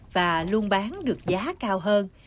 và luôn bán được giá cao hơn